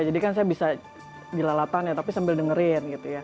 jadi kan saya bisa dilalatan tapi sambil dengerin